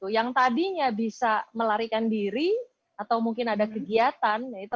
yang tadinya bisa melarikan diri atau mungkin ada kegiatan